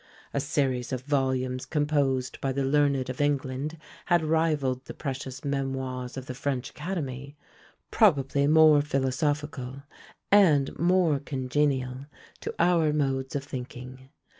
A series of volumes composed by the learned of England had rivalled the precious "Memoirs of the French Academy," probably more philosophical, and more congenial to our modes of thinking!